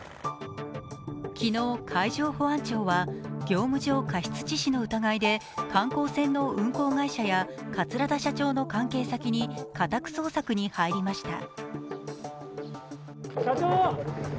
昨日、海上保安庁は業務上過失致死の疑いで観光船の運航会社や桂田社長の関係先に家宅捜索に入りました。